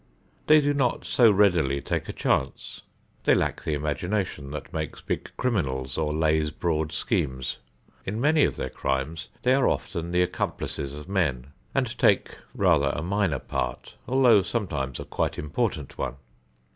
They do not so readily take a chance; they lack the imagination that makes big criminals or lays broad schemes. In many of their crimes they are often the accomplices of men and take rather a minor part, although sometimes a quite important one.